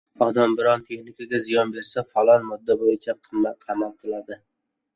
Odam biron texnikaga ziyon bersa — falon modda bo‘yicha qamatiladi.